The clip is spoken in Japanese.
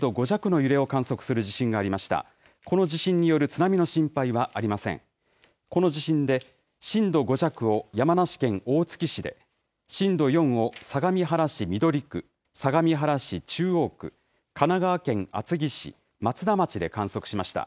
この地震で震度５弱を山梨県大月市で、震度４を相模原市緑区、相模原市中央区、神奈川県厚木市、松田町で観測しました。